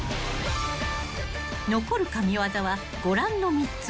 ［残る神業はご覧の３つ］